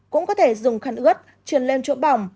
cũng có thể dùng khăn ướt chuyển lên chỗ bỏng